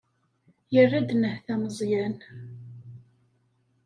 Yerra-d nnehta Meẓyan.